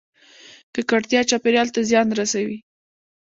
ککړتیا چاپیریال ته زیان رسوي